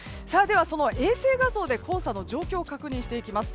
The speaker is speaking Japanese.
衛星画像で黄砂の状況を確認していきます。